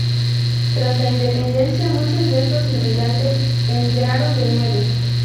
Tras la independencia, muchos de estos inmigrantes emigraron de nuevo.